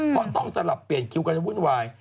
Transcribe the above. เพราะต้องสลับเปลี่ยนคิวกันวุ่นวาย